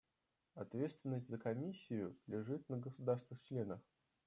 Ответственность за Комиссию лежит на государствах-членах.